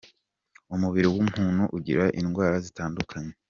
Umubiri w’umuntu ugira indwara zitandukanye.